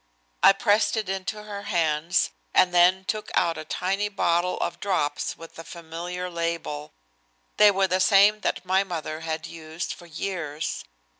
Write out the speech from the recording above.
I pressed it into her hands, and then took out a tiny bottle of drops with a familiar label. They were the same that my mother had used for years.